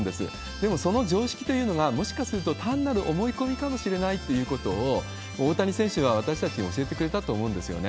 でもその常識というのが、もしかすると単なる思い込みかもしれないっていうことを、大谷選手は私たちに教えてくれたと思うんですよね。